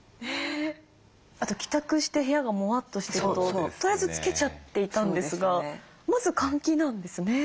あと帰宅して部屋がモワッとしてるととりあえずつけちゃっていたんですがまず換気なんですね。